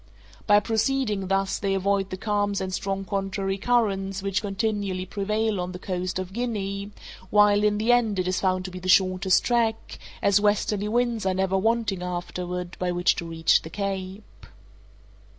By proceeding thus they avoid the calms and strong contrary currents which continually prevail on the coast of Guinea, while, in the end, it is found to be the shortest track, as westerly winds are never wanting afterward by which to reach the Cape.